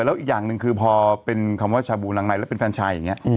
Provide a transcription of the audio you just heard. แล้วอีกอย่างหนึ่งคือพอเป็นคำว่าชาบูนางในแล้วเป็นแฟนชายอย่างนี้